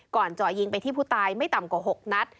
เจาะยิงไปที่ผู้ตายไม่ต่ำกว่า๖นัด